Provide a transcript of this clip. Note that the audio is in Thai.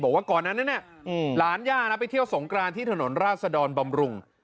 บอกว่าก่อนนั้นหลานย่านะไปเที่ยวสงกรานที่ถนนราชดรบำรุง